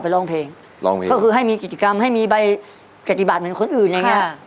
ก็คือให้มีกิจกรรมให้มีใบกฎิบาทเหมือนคนอื่น